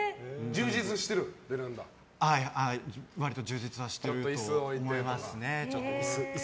割と充実はしてると思います。